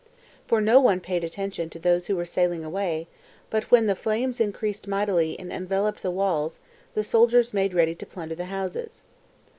For no one paid any attention to those who were sailing away, but when the flames increased mightily and enveloped the walls, the soldiers made ready to plundér the houses.